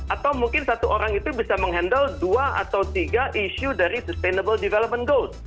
atau mungkin satu orang itu bisa menghandle dua atau tiga isu dari sustainable development goals